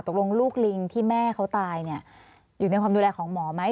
ตกลงลูกลิงที่แม่เขาตายเนี่ยอยู่ในความดูแลของหมอไหม